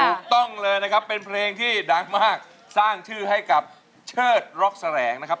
ถูกต้องเลยนะครับเป็นเพลงที่ดังมากสร้างชื่อให้กับเชิดร็อกแสลงนะครับ